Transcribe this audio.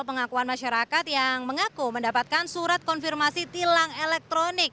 pengakuan masyarakat yang mengaku mendapatkan surat konfirmasi tilang elektronik